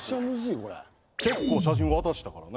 結構写真渡したからね。